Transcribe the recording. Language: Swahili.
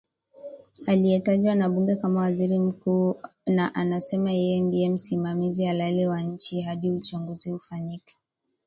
aliyetajwa na bunge kama waziri mkuu na anasema yeye ndiye msimamizi halali wa nchi hadi uchaguzi ufanyike